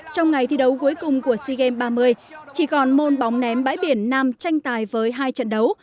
trong ngày thi đấu cuối cùng của sea games ba mươi chỉ còn môn bóng ném bãi biển nam tranh tài với hai trận đấu